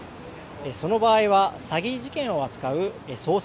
その場合は詐欺事件を扱う捜査